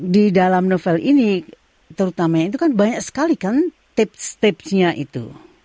di dalam novel ini terutama itu kan banyak sekali kan tips tipsnya itu